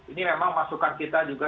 ini memang masukan kita juga